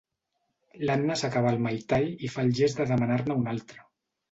L'Anna s'acaba el mai tai i fa el gest de demanar-ne un altre.